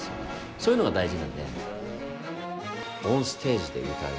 そういうのが大事なんで。